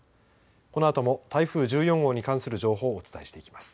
このあとも台風１４号に関する情報をお伝えしていきます。